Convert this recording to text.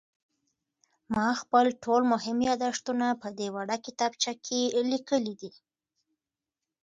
ما خپل ټول مهم یادښتونه په دې وړه کتابچه کې لیکلي دي.